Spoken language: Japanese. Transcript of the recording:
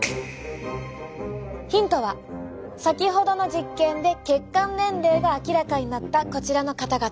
ヒントは先ほどの実験で血管年齢が明らかになったこちらの方々。